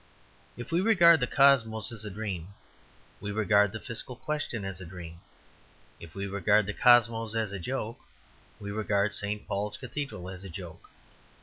If we regard the Cosmos as a dream, we regard the Fiscal Question as a dream. If we regard the Cosmos as a joke, we regard St. Paul's Cathedral as a joke.